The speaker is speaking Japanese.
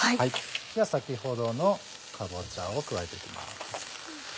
じゃあ先ほどのかぼちゃを加えていきます。